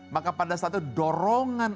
maka pada saat itu dorongan